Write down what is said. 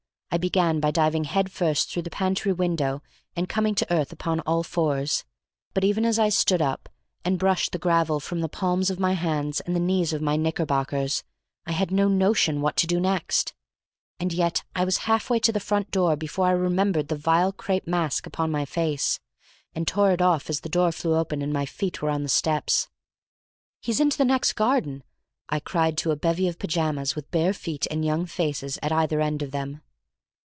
I began by diving head first through the pantry window and coming to earth upon all fours. But even as I stood up, and brushed the gravel from the palms of my hands and the knees of my knickerbockers, I had no notion what to do next. And yet I was halfway to the front door before I remembered the vile crape mask upon my face, and tore it off as the door flew open and my feet were on the steps. "He's into the next garden," I cried to a bevy of pyjamas with bare feet and young faces at either end of them.